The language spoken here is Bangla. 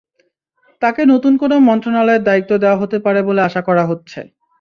তাঁকে নতুন কোনো মন্ত্রণালয়ের দায়িত্ব দেওয়া হতে পারে বলে আশা করা হচ্ছে।